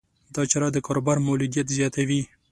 دا چاره د کاروبار مولدیت زیاتوي.